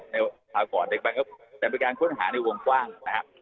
ในภาคกรเด็กแป๊บแต่เป็นการค้นหาในวงกว้างนะครับ